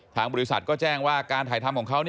ทางบริษัทก็แจ้งว่าการถ่ายทำของเขา